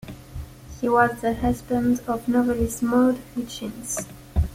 He was the husband of novelist Maude Hutchins.